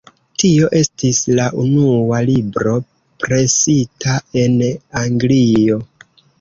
Tio estis la unua libro presita en Anglio.